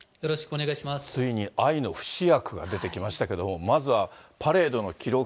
ついに愛の不死薬が出てきましたけども、まずはパレードの記録